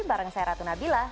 bareng saya ratu nabilah